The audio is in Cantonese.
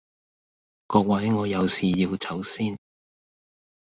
各位我有事要走先